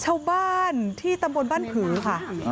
ชาวบ้านที่ตำบลบ้านผือค่ะ